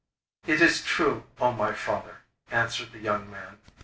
'It is true, O my father,' answered the young man.